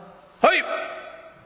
「はい！」。